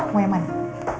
mau yang mana